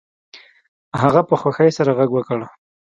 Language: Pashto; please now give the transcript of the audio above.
هغه په خوښۍ سره غږ وکړ